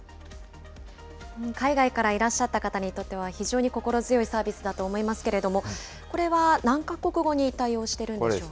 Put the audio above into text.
海外からいらっしゃった方にとっては、非常に心強いサービスだと思いますけれども、これは何か国語に対応してるんでしょうか。